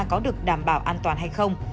có được đảm bảo an toàn hay không